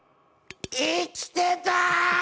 生きてた！